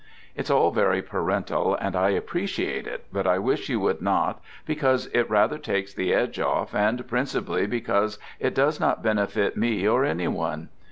It's all very parental and I appreciate it, but I wish you would not because it rather takes the edge off, and principally because it does not benefit me or any one.